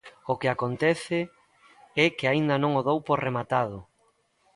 O que acontece é que aínda non o dou por rematado.